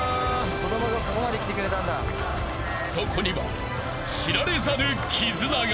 ［そこには知られざる絆が］